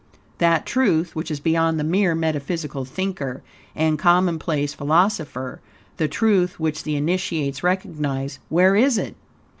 That truth which is beyond the mere metaphysical thinker and commonplace philosopher; the truth which the Initiates recognize where is it?